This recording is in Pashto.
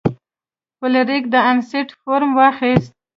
فلیریک د انیسټ نوم واخیست.